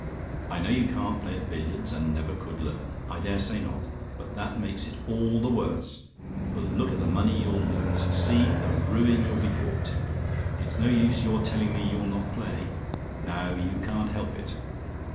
I know you can't play at billiards; and never could learn. I dare say not; but that makes it all the worse, for look at the money you'll lose; see the ruin you'll be brought to. It's no use your telling me you'll not play now you can't help it.